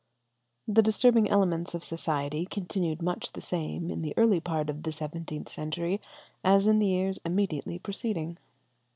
The disturbing elements of society continued much the same in the early part of the seventeenth century as in the years immediately preceding.